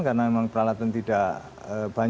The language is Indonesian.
karena memang peralatan tidak ada di wuhan